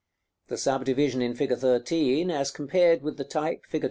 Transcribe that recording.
The subdivision in fig. 13 as compared with the type, fig.